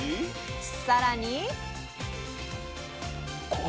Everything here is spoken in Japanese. さらに。